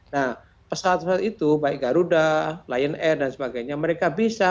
nah pesawat pesawat itu baik garuda lion air dan sebagainya mereka bisa